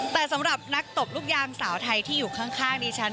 แต่สำหรับนักตบลูกยางสาวไทยที่อยู่ข้างดิฉัน